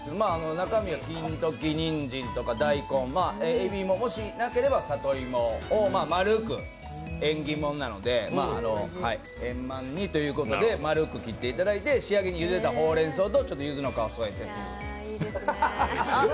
中身は金時人参とか大根、えび、もしなければさといもを丸く円満にということで丸く切っていていただいて仕上げにゆでたほうれんそうとゆずの香を添えて。